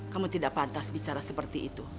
kamu tidak pantas bicara seperti itu